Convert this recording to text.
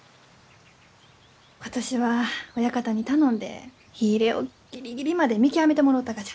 今年は親方に頼んで火入れをギリギリまで見極めてもろうたがじゃ。